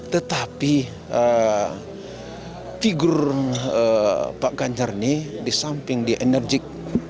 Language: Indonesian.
tetapi figur pak ganjar ini disamping dia enerjik